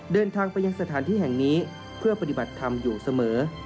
เดินทางไปยังสถานที่แห่งนี้เพื่อปฏิบัติธรรมอยู่เสมอ